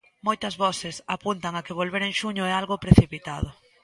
Moitas voces apuntan a que volver en xuño é algo precipitado.